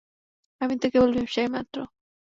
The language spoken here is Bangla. আমি তো কেবল ব্যবসায়ী মাত্র।